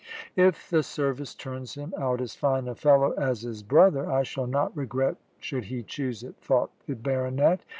"If the service turns him out as fine a fellow as his brother, I shall not regret should he choose it," thought the baronet.